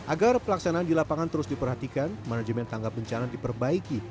agar pelaksanaan di lapangan terus diperhatikan manajemen tangga bencana diperbaiki